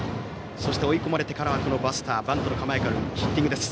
追い込まれてからはバスターバントの構えからヒッティングです。